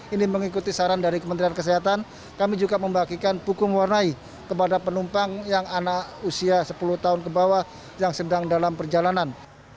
ini mengikuti saran dari kementerian kesehatan kami juga membagikan buku mewarnai kepada penumpang yang anak usia sepuluh tahun ke bawah yang sedang dalam perjalanan